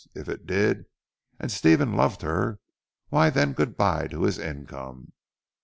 If it did, and Stephen loved her, why then good bye to his income.